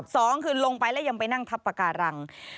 สองคือลงไปแล้วยังไปนั่งทับปาการัง